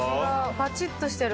パチッとしてる。